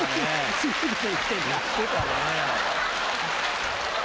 すごいこと言ってんな。